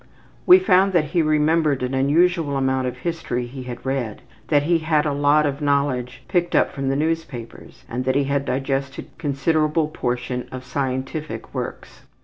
We found that he remembered an unusual amount of history he had read, that he had a lot of knowledge picked up from the newspapers, and that he had digested considerable portions of scientific works.